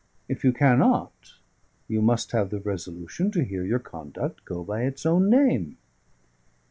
If you cannot, you must have the resolution to hear your conduct go by its own name."